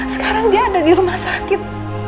sekarang dia ada di rumah sakit